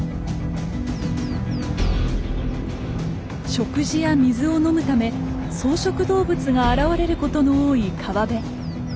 食事や水を飲むため草食動物が現れることの多い川辺。